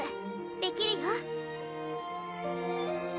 できるよ。